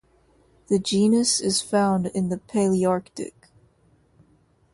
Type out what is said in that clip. The genus is found in the Palearctic.